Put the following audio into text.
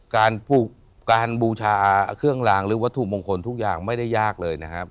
การบูชาเครื่องลางหรือวัตถุมงคลทุกอย่างไม่ได้ยากเลยนะครับ